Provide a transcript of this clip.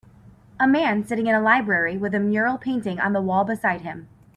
A man sitting in a library with a mural painting on the wall beside him.